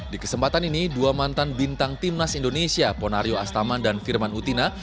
di kesempatan ini dua mantan bintang timnas indonesia ponario astaman dan firman utina